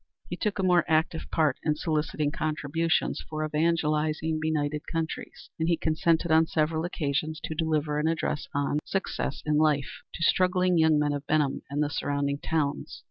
He took a more active part in soliciting contributions for evangelizing benighted countries, and he consented on several occasions to deliver an address on "Success in Life" to struggling young men of Benham and the surrounding towns.